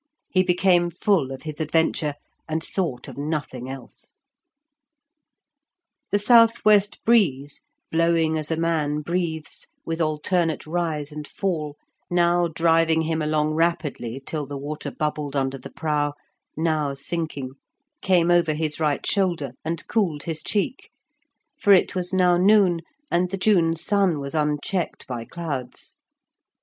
He became full of his adventure, and thought of nothing else. The south west breeze, blowing as a man breathes, with alternate rise and fall, now driving him along rapidly till the water bubbled under the prow, now sinking, came over his right shoulder and cooled his cheek, for it was now noon, and the June sun was unchecked by clouds.